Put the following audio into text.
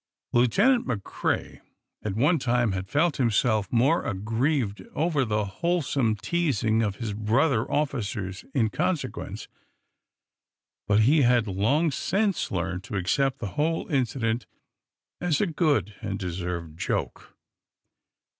Lieutenant McCrea, at one time, had felt himself much aggrieved over the wholesome teasing of his brother officers in consequence; but he had long since learned to accept the whole incident as a good and deserved joke.